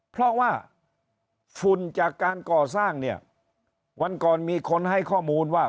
เพราะว่าฝุ่นจากการก่อสร้างเนี่ยวันก่อนมีคนให้ข้อมูลว่า